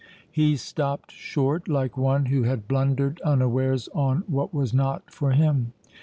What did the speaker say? He stopped short, like one who had blundered unawares on what was not for him.